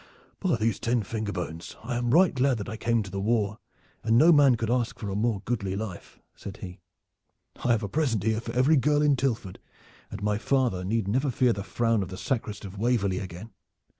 "By these ten finger bones! I am right glad that I came to the war, and no man could ask for a more goodly life," said he. "I have a present here for every girl in Tilford, and my father need never fear the frown of the sacrist of Waverley again.